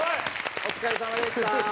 お疲れさまでした！